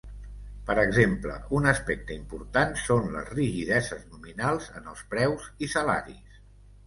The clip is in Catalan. Per exemple, un aspecte important són les rigideses nominals en els preus i salaris.